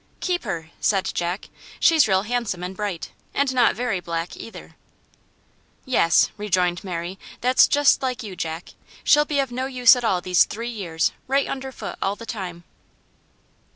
"Keep her," said Jack. "She's real handsome and bright, and not very black, either." "Yes," rejoined Mary; "that's just like you, Jack. She'll be of no use at all these three years, right under foot all the time."